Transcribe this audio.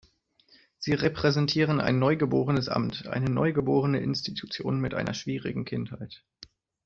Sie repräsentieren ein neugeborenes Amt, eine neugeborene Institution mit einer schwierigen Kindheit.